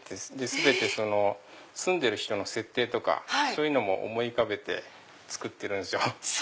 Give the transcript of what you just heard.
全て住んでる人の設定とかそういうのも思い浮かべて作ってるんすよ。